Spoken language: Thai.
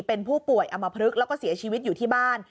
เป็นผู้ป่วยอมพลึกแล้วก็เสียชีวิตอยู่ที่บ้าน